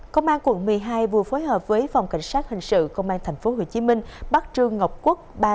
công an quận một mươi hai vừa phối hợp với phòng cảnh sát hình sự công an tp hcm bắt trương ngọc quốc